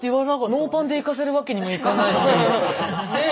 ノーパンで行かせるわけにもいかないしねえ